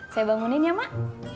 saya bangunin ya mak